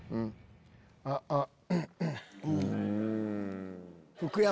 あっあっ。